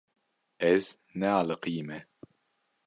Ez nealiqîme.